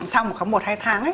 sau khoảng một hai tháng